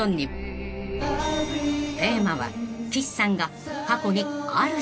［テーマは岸さんが］